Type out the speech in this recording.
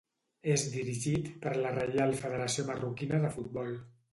És dirigit per la Reial Federació Marroquina de Futbol.